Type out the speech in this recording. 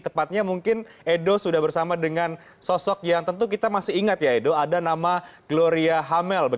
tepatnya mungkin edo sudah bersama dengan sosok yang tentu kita masih ingat ya edo ada nama gloria hamel